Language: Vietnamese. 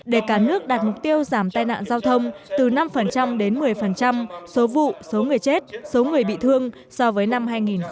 để cả nước đạt mục tiêu giảm tai nạn giao thông từ năm đến một mươi số vụ số người chết số người bị thương so với năm hai nghìn một mươi tám